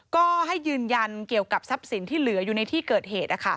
ก็ให้ยืนยันเกี่ยวกับทรัพย์สินที่เหลืออยู่ในที่เกิดเหตุ